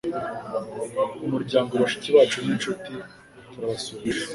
umuryango bashiki bacu n’incuti turabasuhuza